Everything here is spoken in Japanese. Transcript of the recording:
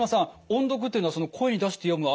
音読っていうのは声に出して読む